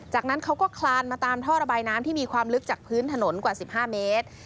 จากนั้นเขาก็คลานมาตามท่อระบายน้ำที่มีความลึกจากพื้นถนนกว่า๑๕เมตร